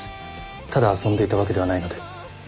ただ遊んでいたわけではないので。